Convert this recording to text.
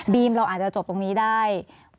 เราอาจจะจบตรงนี้ได้